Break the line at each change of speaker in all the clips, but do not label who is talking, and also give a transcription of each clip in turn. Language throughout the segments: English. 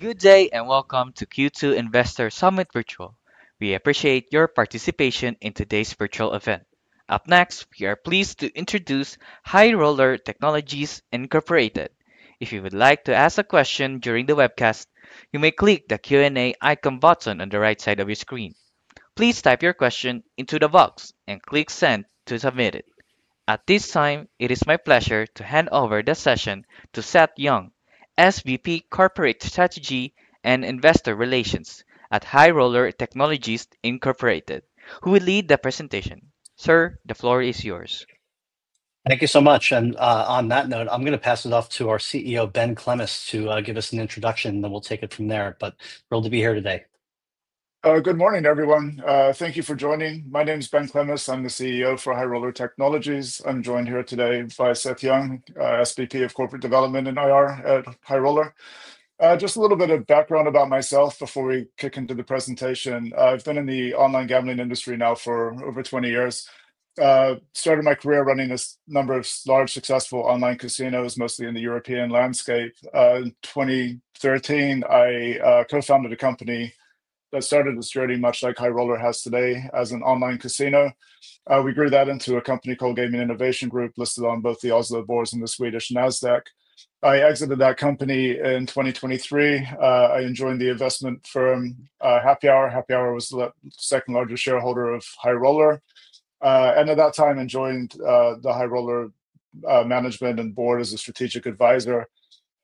Good day and welcome to Q2 Investor Summit Virtual. We appreciate your participation in today's virtual event. Up next, we are pleased to introduce High Roller Technologies Inc. If you would like to ask a question during the webcast, you may click the Q&A icon button on the right side of your screen. Please type your question into the box and click Send to submit it. At this time, it is my pleasure to hand over the session to Seth Young, SVP Corporate Strategy and Investor Relations at High Roller Technologies, who will lead the presentation. Sir, the floor is yours.
Thank you so much. On that note, I'm going to pass it off to our CEO, Ben Clemes, to give us an introduction, and then we'll take it from there. Thrilled to be here today.
Good morning, everyone. Thank you for joining. My name is Ben Clemes. I'm the CEO for High Roller Technologies. I'm joined here today by Seth Young, SVP of Corporate Development and IR at High Roller. Just a little bit of background about myself before we kick into the presentation. I've been in the online gambling industry now for over 20 years. Started my career running a number of large, successful online casinos, mostly in the European landscape. In 2013, I co-founded a company that started its journey much like High Roller has today as an online casino. We grew that into a company called Gaming Innovation Group, listed on both the Oslo Børs and the Swedish Nasdaq. I exited that company in 2023. I joined the investment firm HappyHour. HappyHour was the second largest shareholder of High Roller. At that time, I joined the High Roller management and board as a strategic advisor.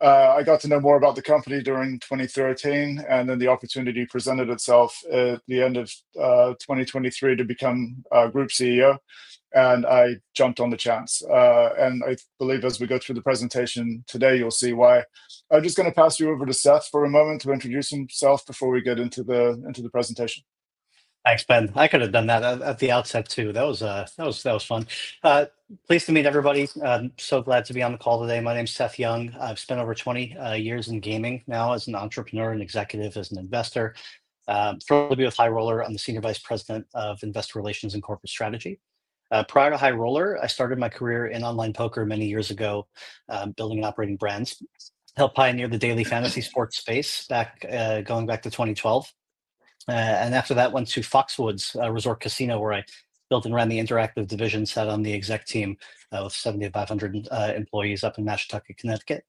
I got to know more about the company during 2013, and then the opportunity presented itself at the end of 2023 to become group CEO. I jumped on the chance. I believe as we go through the presentation today, you'll see why. I'm just going to pass you over to Seth for a moment to introduce himself before we get into the presentation.
Thanks, Ben. I could have done that at the outset, too. That was fun. Pleased to meet everybody. So glad to be on the call today. My name is Seth Young. I've spent over 20 years in gaming now as an entrepreneur and executive, as an investor. Thrilled to be with High Roller. I'm the Senior Vice President of Investor Relations and Corporate Strategy. Prior to High Roller, I started my career in online poker many years ago, building and operating brands. Helped pioneer the daily fantasy sports space back going back to 2012. After that, went to Foxwoods Resort Casino, where I built and ran the interactive division, sat on the exec team with 7,500 employees up in Mashantucket, Connecticut.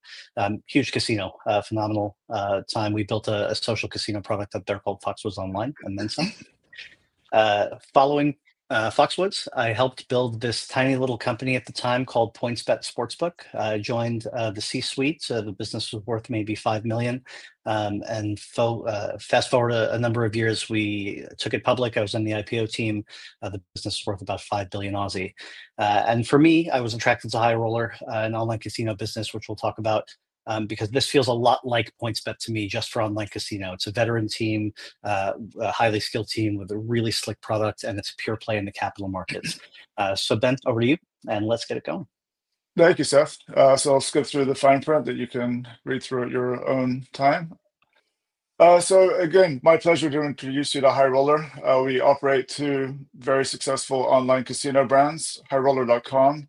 Huge casino, phenomenal time. We built a social casino product up there called Foxwoods Online and then some. Following Foxwoods, I helped build this tiny little company at the time called PointsBet Sportsbook. I joined the C-suite, so the business was worth maybe $5 million. Fast forward a number of years, we took it public. I was on the IPO team. The business was worth about 5 billion. For me, I was attracted to High Roller and online casino business, which we will talk about, because this feels a lot like PointsBet to me just for online casino. It is a veteran team, a highly skilled team with a really slick product, and it is pure play in the capital markets. Ben, over to you, and let's get it going.
Thank you, Seth. Let's go through the fine print that you can read through at your own time. Again, my pleasure to introduce you to High Roller. We operate two very successful online casino brands, High Roller.com.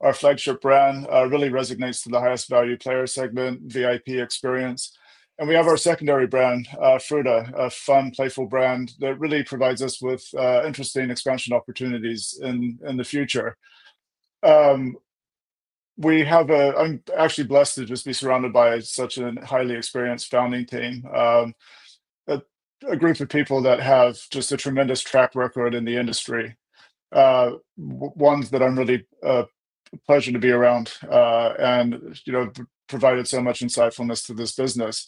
Our flagship brand really resonates to the highest value player segment, VIP experience. We have our secondary brand, Fruta, a fun, playful brand that really provides us with interesting expansion opportunities in the future. I'm actually blessed to just be surrounded by such a highly experienced founding team, a group of people that have just a tremendous track record in the industry, ones that I'm really pleasured to be around and provided so much insightfulness to this business.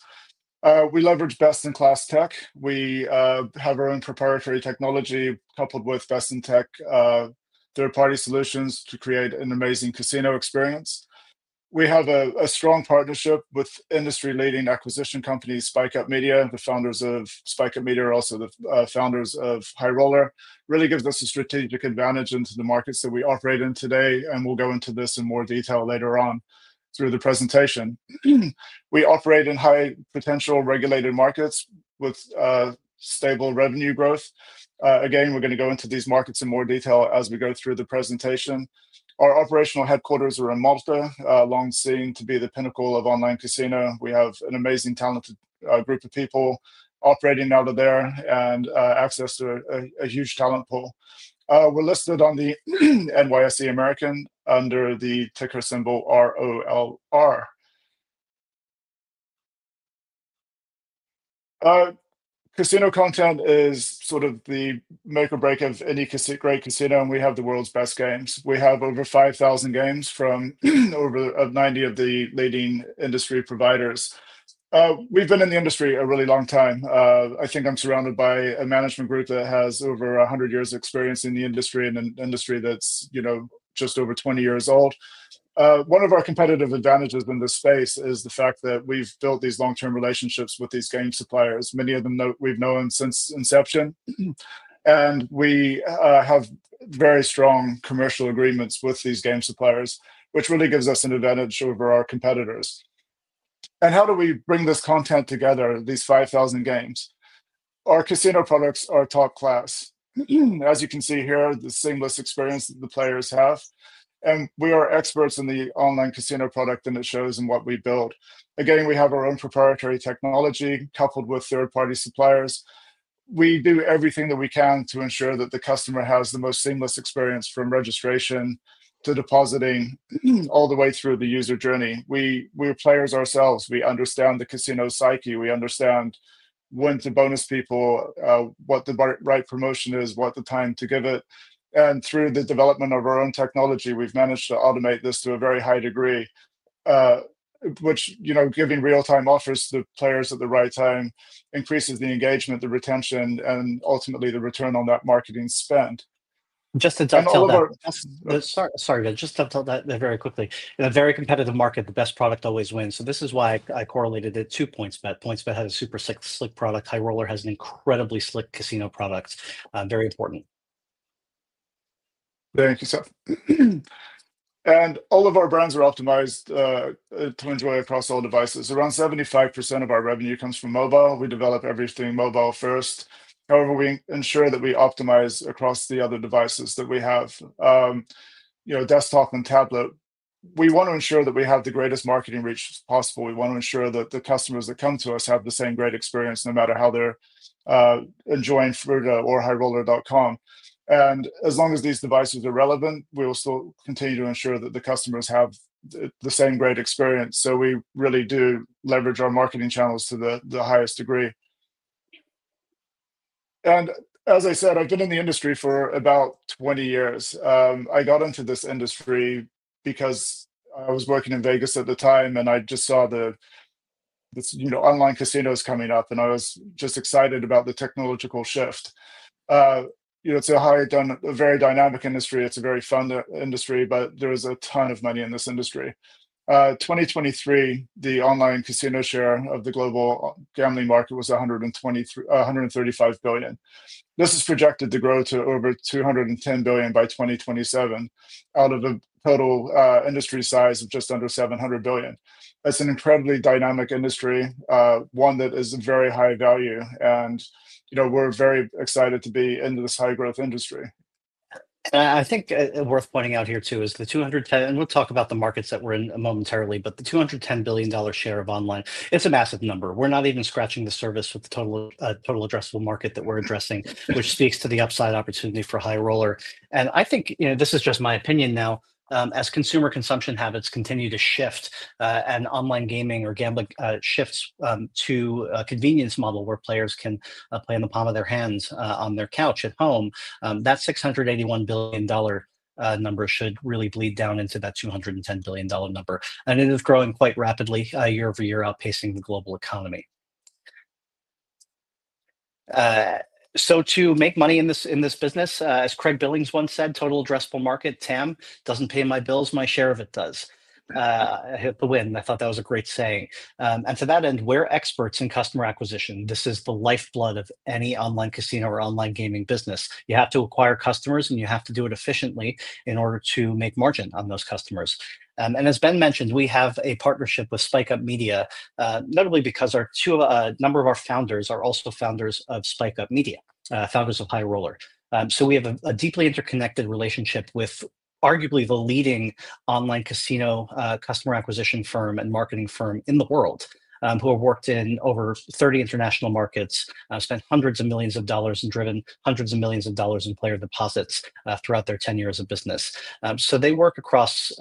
We leverage best-in-class tech. We have our own proprietary technology coupled with best-in-tech third-party solutions to create an amazing casino experience. We have a strong partnership with industry-leading acquisition companies, SpikeUp Media. The founders of SpikeUp Media are also the founders of High Roller. Really gives us a strategic advantage into the markets that we operate in today, and we'll go into this in more detail later on through the presentation. We operate in high potential regulated markets with stable revenue growth. Again, we're going to go into these markets in more detail as we go through the presentation. Our operational headquarters are in Malta, long seen to be the pinnacle of online casino. We have an amazing talented group of people operating out of there and access to a huge talent pool. We're listed on the NYSE American under the ticker symbol ROLR. Casino content is sort of the make or break of any great casino, and we have the world's best games. We have over 5,000 games from over 90 of the leading industry providers. We've been in the industry a really long time. I think I'm surrounded by a management group that has over 100 years of experience in the industry and an industry that's just over 20 years old. One of our competitive advantages in this space is the fact that we've built these long-term relationships with these game suppliers. Many of them we've known since inception, and we have very strong commercial agreements with these game suppliers, which really gives us an advantage over our competitors. How do we bring this content together, these 5,000 games? Our casino products are top class. As you can see here, the seamless experience that the players have. We are experts in the online casino product and the shows and what we build. Again, we have our own proprietary technology coupled with third-party suppliers. We do everything that we can to ensure that the customer has the most seamless experience from registration to depositing all the way through the user journey. We are players ourselves. We understand the casino psyche. We understand when to bonus people, what the right promotion is, what the time to give it is. Through the development of our own technology, we have managed to automate this to a very high degree, which, giving real-time offers to the players at the right time, increases the engagement, the retention, and ultimately the return on that marketing spend.
Just to dovetail that. Sorry, Ben. Just to dovetail that very quickly. In a very competitive market, the best product always wins. This is why I correlated it to PointsBet. PointsBet has a super slick product. High Roller has an incredibly slick casino product. Very important.
Thank you, Seth. All of our brands are optimized to enjoy across all devices. Around 75% of our revenue comes from mobile. We develop everything mobile first. However, we ensure that we optimize across the other devices that we have, desktop and tablet. We want to ensure that we have the greatest marketing reach possible. We want to ensure that the customers that come to us have the same great experience no matter how they're enjoying Fruta or High Roller.com. As long as these devices are relevant, we will still continue to ensure that the customers have the same great experience. We really do leverage our marketing channels to the highest degree. As I said, I've been in the industry for about 20 years. I got into this industry because I was working in Vegas at the time, and I just saw the online casinos coming up, and I was just excited about the technological shift. It's a high, very dynamic industry. It's a very fun industry, but there is a ton of money in this industry. In 2023, the online casino share of the global gambling market was $135 billion. This is projected to grow to over $210 billion by 2027 out of a total industry size of just under $700 billion. It's an incredibly dynamic industry, one that is very high value, and we're very excited to be in this high-growth industry.
I think worth pointing out here, too, is the 210, and we'll talk about the markets that we're in momentarily, but the $210 billion share of online, it's a massive number. We're not even scratching the surface with the total addressable market that we're addressing, which speaks to the upside opportunity for High Roller. I think this is just my opinion now. As consumer consumption habits continue to shift and online gaming or gambling shifts to a convenience model where players can play in the palm of their hands on their couch at home, that $681 billion number should really bleed down into that $210 billion number. It is growing quite rapidly year over year, outpacing the global economy. To make money in this business, as Craig Billings once said, total addressable market, TAM, doesn't pay my bills, my share of it does. I hit the win. I thought that was a great saying. To that end, we're experts in customer acquisition. This is the lifeblood of any online casino or online gaming business. You have to acquire customers, and you have to do it efficiently in order to make margin on those customers. As Ben mentioned, we have a partnership with SpikeUp Media, notably because a number of our founders are also founders of SpikeUp Media, founders of High Roller. We have a deeply interconnected relationship with arguably the leading online casino customer acquisition firm and marketing firm in the world who have worked in over 30 international markets, spent hundreds of millions of dollars, and driven hundreds of millions of dollars in player deposits throughout their 10 years of business. They work across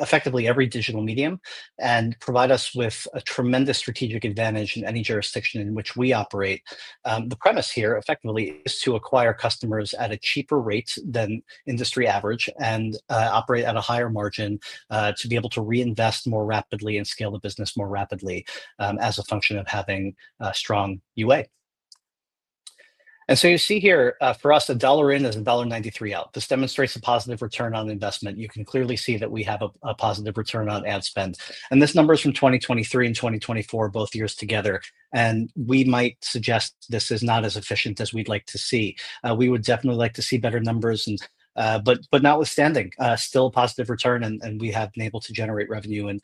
effectively every digital medium and provide us with a tremendous strategic advantage in any jurisdiction in which we operate. The premise here, effectively, is to acquire customers at a cheaper rate than industry average and operate at a higher margin to be able to reinvest more rapidly and scale the business more rapidly as a function of having a strong UA. You see here, for us, a $1 in is a $1.93 out. This demonstrates a positive return on investment. You can clearly see that we have a positive return on ad spend. This number is from 2023 and 2024, both years together. We might suggest this is not as efficient as we'd like to see. We would definitely like to see better numbers, but notwithstanding, still a positive return, and we have been able to generate revenue and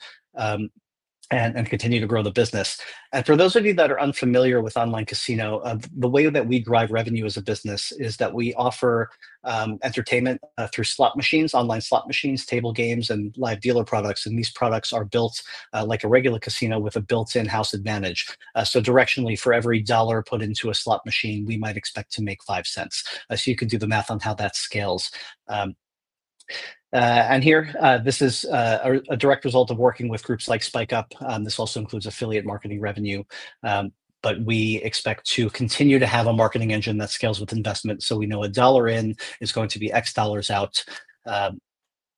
continue to grow the business. For those of you that are unfamiliar with online casino, the way that we drive revenue as a business is that we offer entertainment through slot machines, online slot machines, table games, and live dealer products. These products are built like a regular casino with a built-in house advantage. Directionally, for every dollar put into a slot machine, we might expect to make $0.05. You can do the math on how that scales. This is a direct result of working with groups like SpikeUp. This also includes affiliate marketing revenue, but we expect to continue to have a marketing engine that scales with investment. We know a dollar in is going to be X dollars out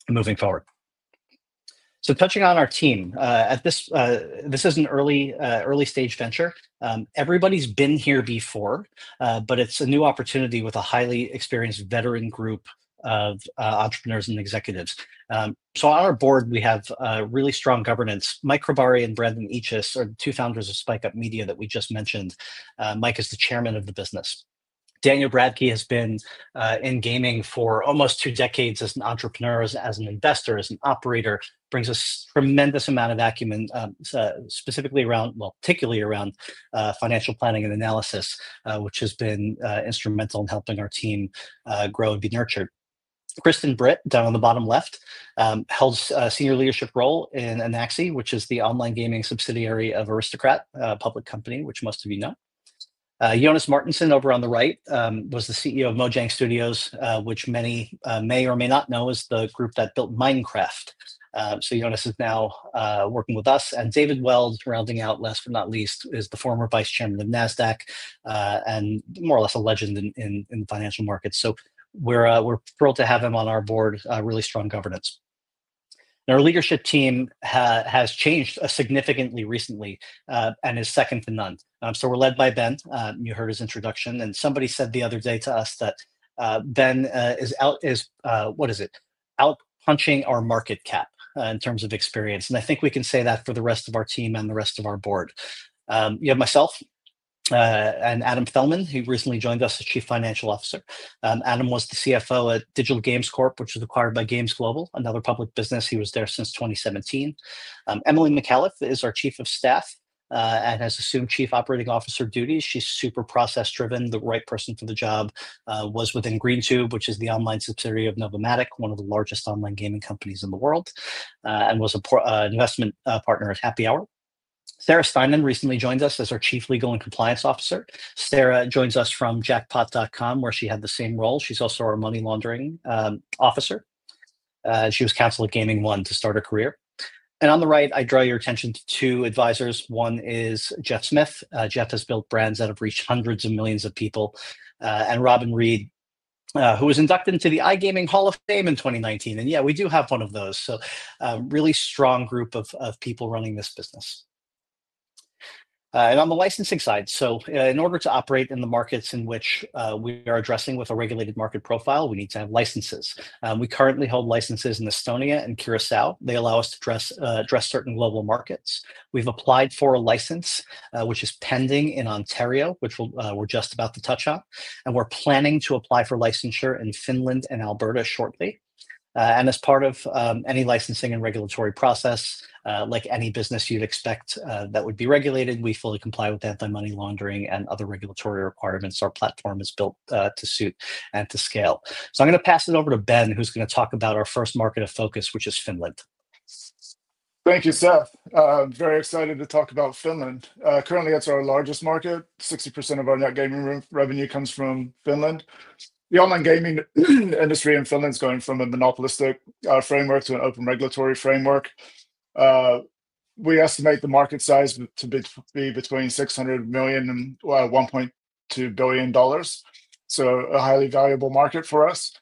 moving forward. Touching on our team, this is an early-stage venture. Everybody's been here before, but it's a new opportunity with a highly experienced veteran group of entrepreneurs and executives. On our board, we have really strong governance. Mike Robari and Brendan Eaches are the two founders of SpikeUp Media that we just mentioned. Mike is the chairman of the business. Daniel Bradke has been in gaming for almost two decades as an entrepreneur, as an investor, as an operator, brings a tremendous amount of acumen, specifically around, well, particularly around financial planning and analysis, which has been instrumental in helping our team grow and be nurtured. Kristen Britt, down on the bottom left, holds a senior leadership role in Anaxi, which is the online gaming subsidiary of Aristocrat, a public company, which must have you known. Jonas Martensson, over on the right, was the CEO of Mojang Studios, which many may or may not know is the group that built Minecraft. Jonas is now working with us. David Weld, rounding out, last but not least, is the former vice chairman of Nasdaq and more or less a legend in financial markets. We are thrilled to have him on our board, really strong governance. Our leadership team has changed significantly recently and is second to none. We are led by Ben. You heard his introduction. Somebody said the other day to us that Ben is out, what is it, outpunching our market cap in terms of experience. I think we can say that for the rest of our team and the rest of our board. You have myself and Adam Felman, who recently joined us as Chief Financial Officer. Adam was the CFO at Digital Games Corp, which was acquired by Games Global, another public business. He was there since 2017. Emily McAuliffe is our Chief of Staff and has assumed Chief Operating Officer duties. She's super process-driven, the right person for the job, was within GreenTube, which is the online subsidiary of Novomatic, one of the largest online gaming companies in the world, and was an investment partner at HappyHour. Sarah Steinman recently joined us as our Chief Legal and Compliance Officer. Sarah joins us from jackpot.com, where she had the same role. She's also our money laundering officer. She was counsel at Gaming1 to start her career. On the right, I draw your attention to two advisors. One is Jeff Smith. Jeff has built brands that have reached hundreds of millions of people. Robin Reed, who was inducted into the iGaming Hall of Fame in 2019. Yeah, we do have one of those. Really strong group of people running this business. On the licensing side, in order to operate in the markets in which we are addressing with a regulated market profile, we need to have licenses. We currently hold licenses in Estonia and Curacao. They allow us to address certain global markets. We have applied for a license, which is pending in Ontario, which we are just about to touch on. We are planning to apply for licensure in Finland and Alberta shortly. As part of any licensing and regulatory process, like any business you'd expect that would be regulated, we fully comply with anti-money laundering and other regulatory requirements. Our platform is built to suit and to scale. I'm going to pass it over to Ben, who's going to talk about our first market of focus, which is Finland.
Thank you, Seth. Very excited to talk about Finland. Currently, it is our largest market. 60% of our net gaming revenue comes from Finland. The online gaming industry in Finland is going from a monopolistic framework to an open regulatory framework. We estimate the market size to be between $600 million and $1.2 billion. A highly valuable market for us.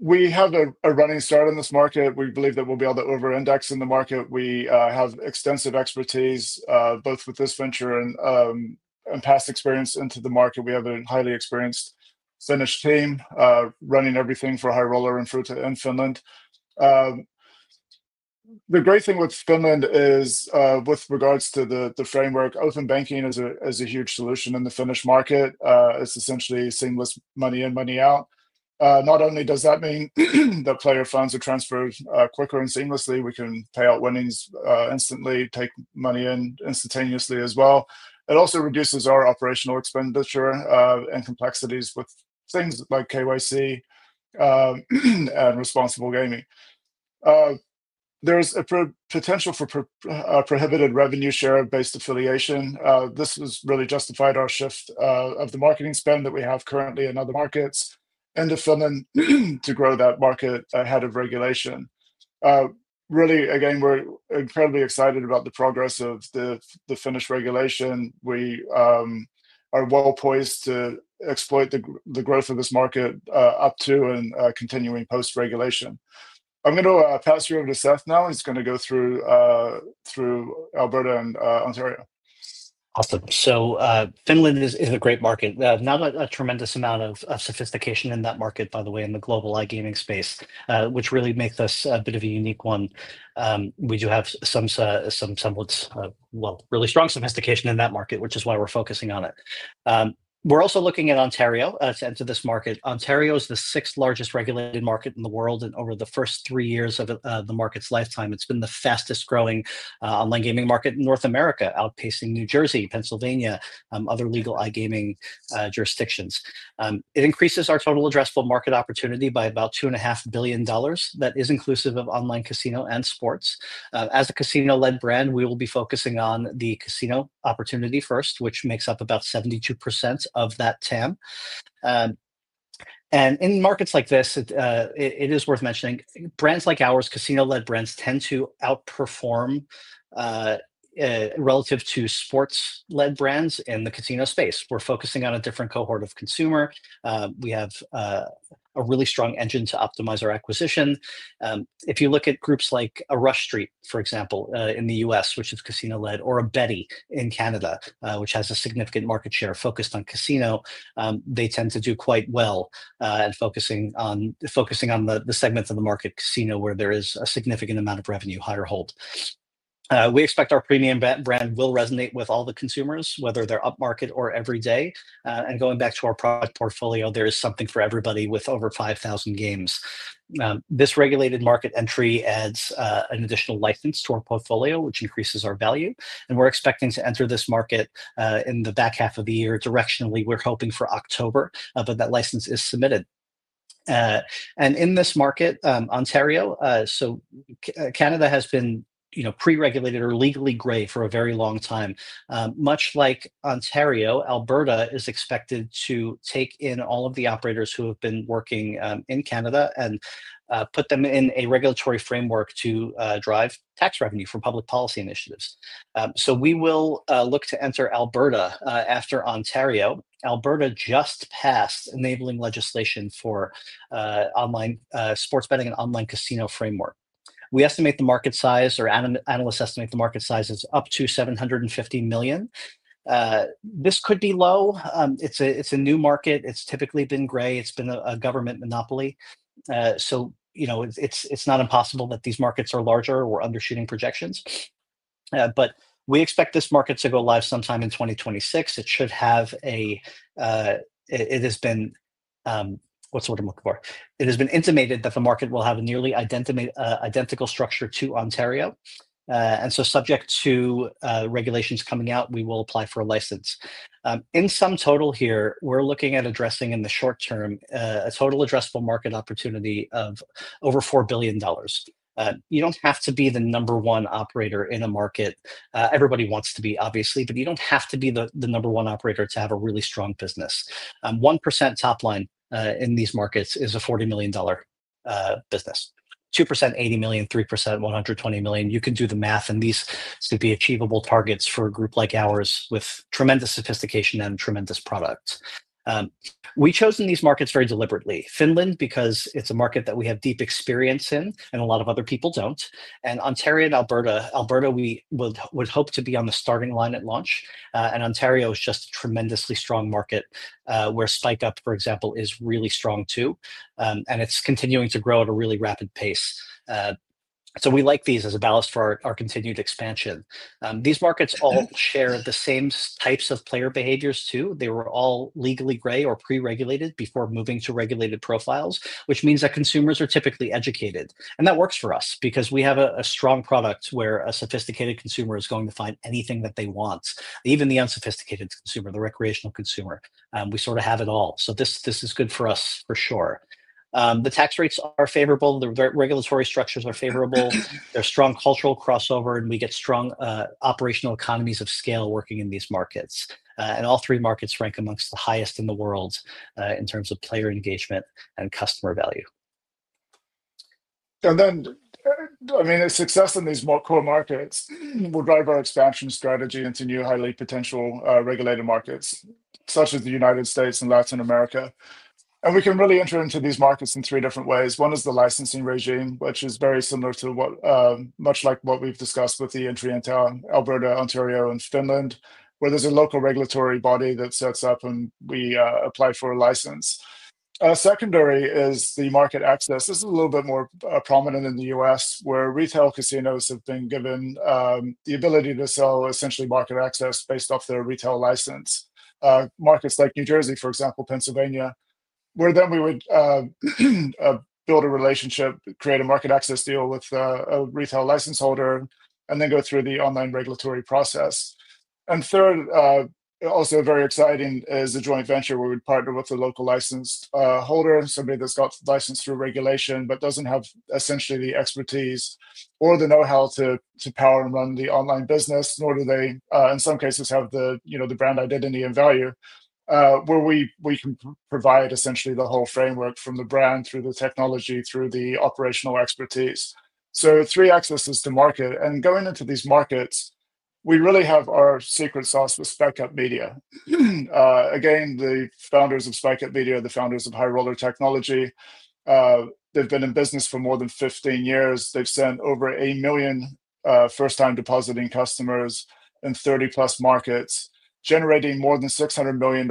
We have a running start on this market. We believe that we will be able to over-index in the market. We have extensive expertise, both with this venture and past experience into the market. We have a highly experienced Finnish team running everything for High Roller and Fruta in Finland. The great thing with Finland is, with regards to the framework, open banking is a huge solution in the Finnish market. It is essentially seamless money in, money out. Not only does that mean that player funds are transferred quicker and seamlessly, we can pay out winnings instantly, take money in instantaneously as well. It also reduces our operational expenditure and complexities with things like KYC and responsible gaming. There is a potential for prohibited revenue share-based affiliation. This has really justified our shift of the marketing spend that we have currently in other markets and to Finland to grow that market ahead of regulation. Really, again, we are incredibly excited about the progress of the Finnish regulation. We are well poised to exploit the growth of this market up to and continuing post-regulation. I am going to pass you over to Seth now. He is going to go through Alberta and Ontario.
Awesome. Finland is a great market. Not a tremendous amount of sophistication in that market, by the way, in the global iGaming space, which really makes this a bit of a unique one. We do have some somewhat, well, really strong sophistication in that market, which is why we're focusing on it. We're also looking at Ontario to enter this market. Ontario is the sixth largest regulated market in the world. Over the first three years of the market's lifetime, it's been the fastest-growing online gaming market in North America, outpacing New Jersey, Pennsylvania, and other legal iGaming jurisdictions. It increases our total addressable market opportunity by about $2.5 billion. That is inclusive of online casino and sports. As a casino-led brand, we will be focusing on the casino opportunity first, which makes up about 72% of that TAM. In markets like this, it is worth mentioning, brands like ours, casino-led brands, tend to outperform relative to sports-led brands in the casino space. We are focusing on a different cohort of consumer. We have a really strong engine to optimize our acquisition. If you look at groups like Rush Street, for example, in the U.S., which is casino-led, or [Bet99] in Canada, which has a significant market share focused on casino, they tend to do quite well and focusing on the segments of the market, casino, where there is a significant amount of revenue, higher hold. We expect our premium brand will resonate with all the consumers, whether they are upmarket or every day. Going back to our product portfolio, there is something for everybody with over 5,000 games. This regulated market entry adds an additional license to our portfolio, which increases our value. We are expecting to enter this market in the back half of the year. Directionally, we are hoping for October, but that license is submitted. In this market, Ontario, Canada has been pre-regulated or legally gray for a very long time. Much like Ontario, Alberta is expected to take in all of the operators who have been working in Canada and put them in a regulatory framework to drive tax revenue for public policy initiatives. We will look to enter Alberta after Ontario. Alberta just passed enabling legislation for online sports betting and online casino framework. We estimate the market size, or analysts estimate the market size, as up to $750 million. This could be low. It is a new market. It has typically been gray. It has been a government monopoly. It is not impossible that these markets are larger or undershooting projections. We expect this market to go live sometime in 2026. It should have a, it has been, what's the word I'm looking for? It has been intimated that the market will have a nearly identical structure to Ontario. Subject to regulations coming out, we will apply for a license. In sum total here, we're looking at addressing in the short term a total addressable market opportunity of over $4 billion. You don't have to be the number one operator in a market. Everybody wants to be, obviously, but you don't have to be the number one operator to have a really strong business. 1% top line in these markets is a $40 million business. 2%, $80 million, 3%, $120 million. You can do the math, and these should be achievable targets for a group like ours with tremendous sophistication and tremendous product. We've chosen these markets very deliberately. Finland, because it's a market that we have deep experience in and a lot of other people don't. Ontario and Alberta, Alberta, we would hope to be on the starting line at launch. Ontario is just a tremendously strong market where SpikeUp, for example, is really strong too. It's continuing to grow at a really rapid pace. We like these as a balance for our continued expansion. These markets all share the same types of player behaviors too. They were all legally gray or pre-regulated before moving to regulated profiles, which means that consumers are typically educated. That works for us because we have a strong product where a sophisticated consumer is going to find anything that they want, even the unsophisticated consumer, the recreational consumer. We sort of have it all. This is good for us for sure. The tax rates are favorable. The regulatory structures are favorable. There is strong cultural crossover, and we get strong operational economies of scale working in these markets. All three markets rank amongst the highest in the world in terms of player engagement and customer value.
I mean, the success in these more core markets will drive our expansion strategy into new highly potential regulated markets, such as the United States and Latin America. We can really enter into these markets in three different ways. One is the licensing regime, which is very similar to what, much like what we've discussed with the entry into Alberta, Ontario, and Finland, where there's a local regulatory body that sets up and we apply for a license. Secondary is the market access. This is a little bit more prominent in the U.S., where retail casinos have been given the ability to sell essentially market access based off their retail license. Markets like New Jersey, for example, Pennsylvania, where then we would build a relationship, create a market access deal with a retail license holder, and then go through the online regulatory process. Third, also very exciting, is a joint venture where we'd partner with a local license holder, somebody that's got license through regulation, but doesn't have essentially the expertise or the know-how to power and run the online business, nor do they, in some cases, have the brand identity and value, where we can provide essentially the whole framework from the brand, through the technology, through the operational expertise. Three accesses to market. Going into these markets, we really have our secret sauce with SpikeUp Media. Again, the founders of SpikeUp Media are the founders of High Roller Technologies. They've been in business for more than 15 years. They've sent over 1,000,000 first-time depositing customers in 30-plus markets, generating more than $600 million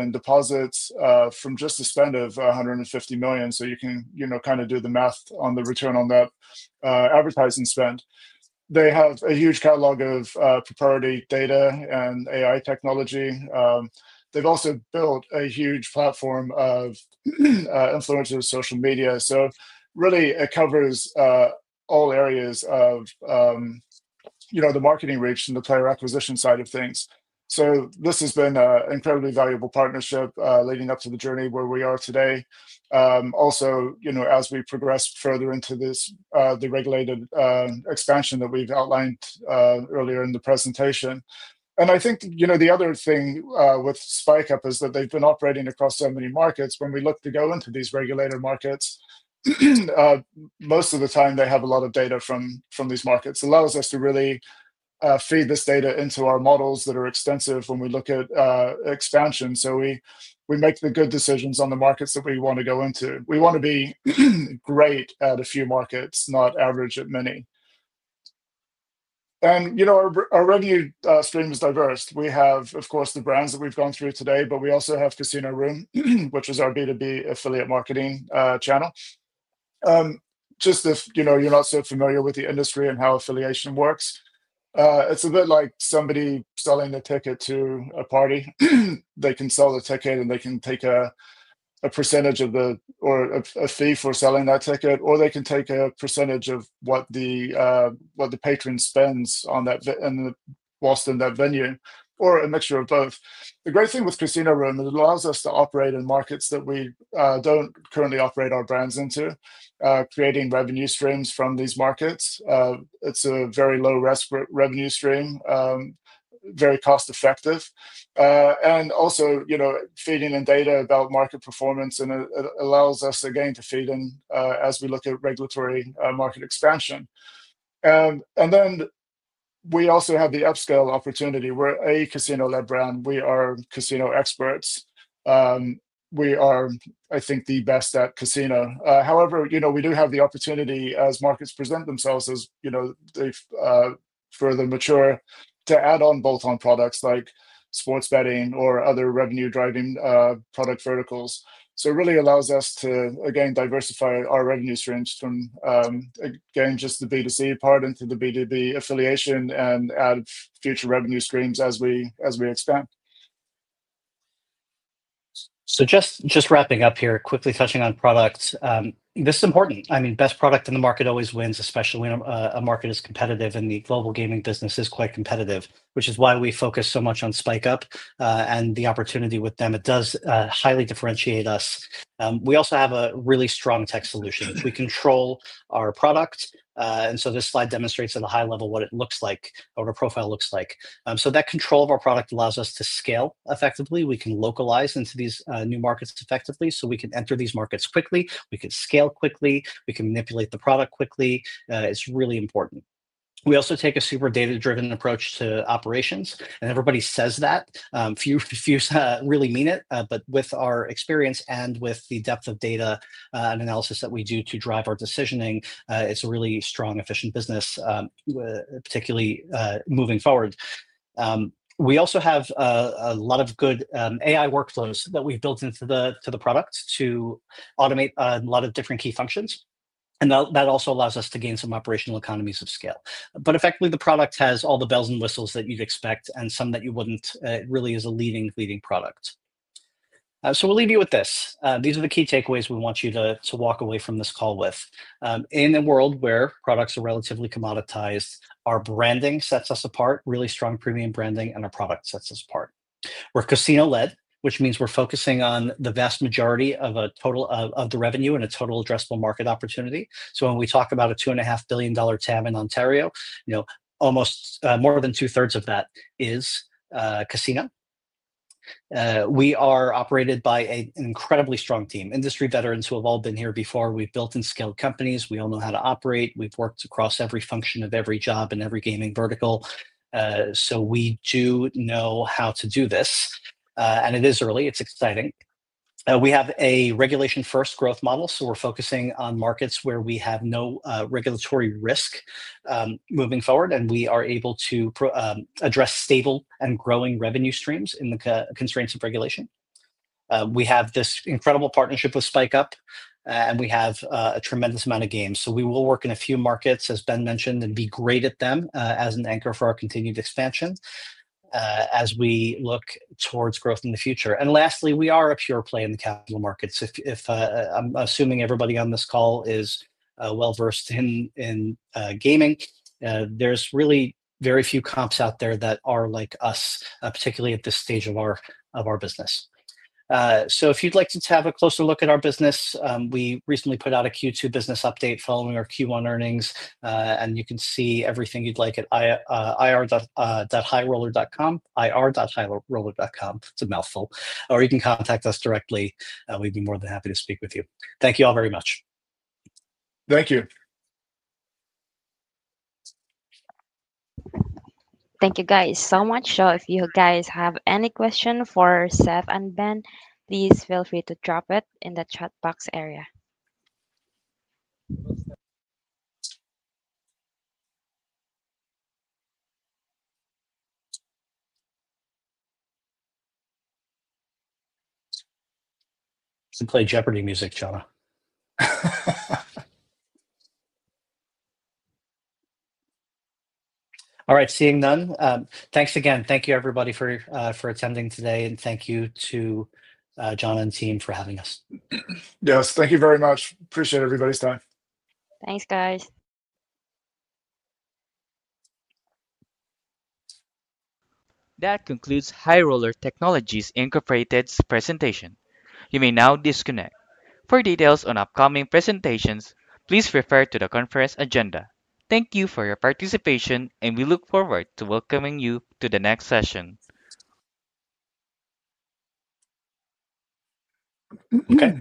in deposits from just the spend of $150 million. You can kind of do the math on the return on that advertising spend. They have a huge catalog of proprietary data and AI technology. They have also built a huge platform of influential social media. It really covers all areas of the marketing reach and the player acquisition side of things. This has been an incredibly valuable partnership leading up to the journey where we are today. Also, as we progress further into the regulated expansion that we have outlined earlier in the presentation. I think the other thing with SpikeUp is that they have been operating across so many markets. When we look to go into these regulated markets, most of the time, they have a lot of data from these markets. It allows us to really feed this data into our models that are extensive when we look at expansion. We make the good decisions on the markets that we want to go into. We want to be great at a few markets, not average at many. Our revenue stream is diverse. We have, of course, the brands that we've gone through today, but we also have Casino Room, which is our B2B affiliate marketing channel. Just if you're not so familiar with the industry and how affiliation works, it's a bit like somebody selling a ticket to a party. They can sell the ticket and they can take a percentage of the fee for selling that ticket, or they can take a percentage of what the patron spends while in that venue, or a mixture of both. The great thing with Casino Room, it allows us to operate in markets that we do not currently operate our brands into, creating revenue streams from these markets. It is a very low-risk revenue stream, very cost-effective, and also feeding in data about market performance. It allows us, again, to feed in as we look at regulatory market expansion. We also have the upscale opportunity where a casino-led brand, we are casino experts. We are, I think, the best at casino. However, we do have the opportunity, as markets present themselves as further mature, to add on bolt-on products like sports betting or other revenue-driving product verticals. It really allows us to, again, diversify our revenue streams from, again, just the B2C part into the B2B affiliation and add future revenue streams as we expand.
Just wrapping up here, quickly touching on products. This is important. I mean, best product in the market always wins, especially when a market is competitive and the global gaming business is quite competitive, which is why we focus so much on SpikeUp and the opportunity with them. It does highly differentiate us. We also have a really strong tech solution. We control our product. This slide demonstrates at a high level what it looks like, what our profile looks like. That control of our product allows us to scale effectively. We can localize into these new markets effectively. We can enter these markets quickly. We can scale quickly. We can manipulate the product quickly. It is really important. We also take a super data-driven approach to operations. Everybody says that. Few really mean it. With our experience and with the depth of data and analysis that we do to drive our decisioning, it's a really strong, efficient business, particularly moving forward. We also have a lot of good AI workflows that we've built into the product to automate a lot of different key functions. That also allows us to gain some operational economies of scale. Effectively, the product has all the bells and whistles that you'd expect and some that you wouldn't. It really is a leading, leading product. We'll leave you with this. These are the key takeaways we want you to walk away from this call with. In a world where products are relatively commoditized, our branding sets us apart, really strong premium branding, and our product sets us apart. We're casino-led, which means we're focusing on the vast majority of the revenue and a total addressable market opportunity. When we talk about a $2.5 billion TAM in Ontario, almost more than 2/3 of that is casino. We are operated by an incredibly strong team, industry veterans who have all been here before. We've built and scaled companies. We all know how to operate. We've worked across every function of every job and every gaming vertical. We do know how to do this. It is early. It's exciting. We have a regulation-first growth model. We're focusing on markets where we have no regulatory risk moving forward. We are able to address stable and growing revenue streams in the constraints of regulation. We have this incredible partnership with SpikeUp, and we have a tremendous amount of games. We will work in a few markets, as Ben mentioned, and be great at them as an anchor for our continued expansion as we look towards growth in the future. Lastly, we are a pure play in the capital markets. If I'm assuming everybody on this call is well-versed in gaming, there are really very few comps out there that are like us, particularly at this stage of our business. If you'd like to have a closer look at our business, we recently put out a Q2 business update following our Q1 earnings. You can see everything you'd like at irr.highroller.com, irr.highroller.com. It's a mouthful. You can contact us directly. We'd be more than happy to speak with you. Thank you all very much.
Thank you.
Thank you, guys, so much. If you guys have any question for Seth and Ben, please feel free to drop it in the chat box area.
Play Jeopardy music, John. All right, seeing none. Thanks again. Thank you, everybody, for attending today. Thank you to John and team for having us.
Yes, thank you very much. Appreciate everybody's time.
Thanks, guys.
That concludes High Roller Technologies Inc's presentation. You may now disconnect. For details on upcoming presentations, please refer to the conference agenda. Thank you for your participation, and we look forward to welcoming you to the next session.
Okay.